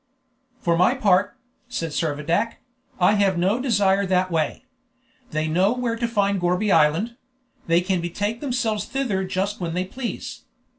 "For my part," said Servadac, "I have no desire that way. They know where to find Gourbi Island; they can betake themselves thither just when they please.